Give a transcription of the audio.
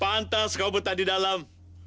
pantas kau betah di dalam